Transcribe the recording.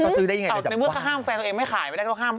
เขาซื้อได้ยังไงในเมื่อเขาห้ามแฟนตัวเองไม่ขายไม่ได้ก็ห้าม